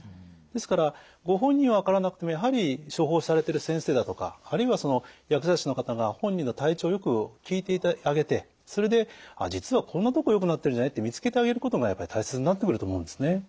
ですからご本人は分からなくてもやはり処方されてる先生だとかあるいは薬剤師の方が本人の体調をよく聞いてあげてそれで「実はこんなとこよくなってるんじゃない？」って見つけてあげることがやっぱり大切になってくると思うんですね。